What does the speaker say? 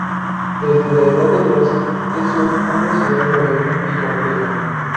Desde la edad de bronce, es hoy una ciudad moderna y compleja.